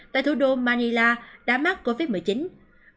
tại thủ đô manila đã mắc covid một mươi chín